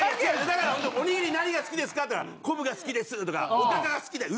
だからおにぎり何が好きですかっていったら昆布が好きですとかおかかが好きです。